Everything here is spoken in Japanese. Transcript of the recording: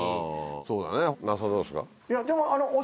そうだね那須さんどうですか？